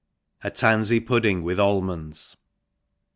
A Tansey Pudding mt6 Almonds.